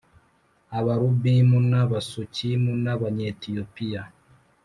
Abalubimu n Abasukimu n Abanyetiyopiya